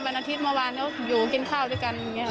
วันอาทิตย์เมื่อวานก็อยู่กินข้าวด้วยกัน